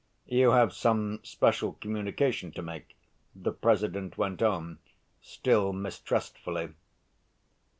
"You have some special communication to make?" the President went on, still mistrustfully.